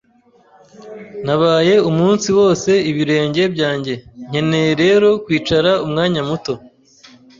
Nabaye umunsi wose ibirenge byanjye, nkeneye rero kwicara umwanya muto.